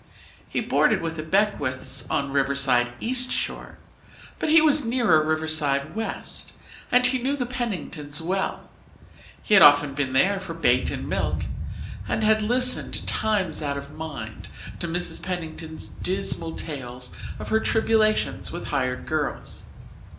He boarded with the Beckwiths on the Riverside East Shore, but he was nearer Riverside West, and he knew the Penningtons well. He had often been there for bait and milk and had listened times out of mind to Mrs. Pennington's dismal tales of her tribulations with hired girls.